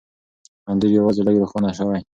انځور یوازې لږ روښانه شوی،